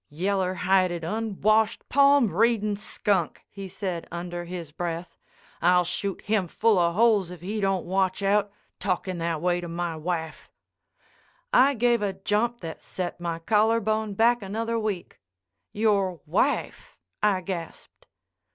"Yeller hided, unwashed, palm readin' skunk," he said under his breath. "I'll shoot him full o' holes if he don't watch out—talkin' that way to my wife!" I gave a jump that set my collarbone back another week. "Your wife!" I gasped.